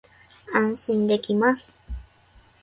安心できます